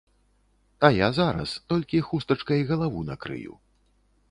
А я зараз, толькі хустачкай галаву накрыю.